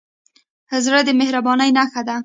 زړه د مهربانۍ نښه ده.